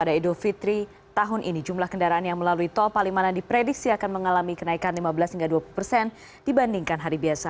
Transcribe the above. pada idul fitri tahun ini jumlah kendaraan yang melalui tol palimanan diprediksi akan mengalami kenaikan lima belas hingga dua puluh persen dibandingkan hari biasa